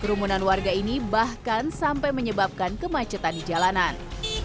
kerumunan warga ini bahkan sampai menyebabkan kemacetan di jalanan